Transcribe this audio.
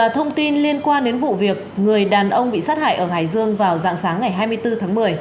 thông tin liên quan đến vụ việc người đàn ông bị sát hại ở hải dương vào dạng sáng ngày hai mươi bốn tháng một mươi